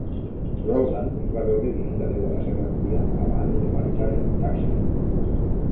Rowland es va veure dient adéu a la seva núvia abans de marxar en un taxi.